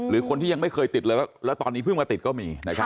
หรือคนที่ยังไม่เคยติดเลยแล้วตอนนี้เพิ่งมาติดก็มี